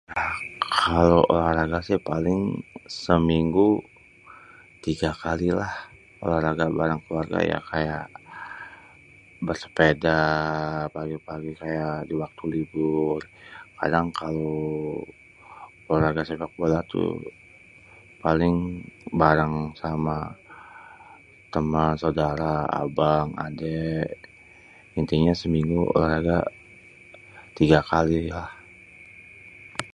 kalo olahraga sih paling seminggu 3 kali lah, olahraga bareng keluarga ya kaya bersepeda pagi-pagi kaya di waktu libur. kadang kalo olahraga sepakbola tuh paling bareng sama temen, sodara, abang, adèk. Intinya seminggu olahraga 3 kali lah.